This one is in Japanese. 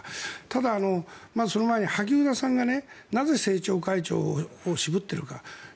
ただ、その前に萩生田さんがなぜ政調会長を渋っているか。